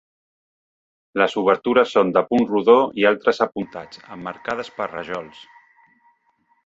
Les obertures són de punt rodó i altres apuntats, emmarcades per rajols.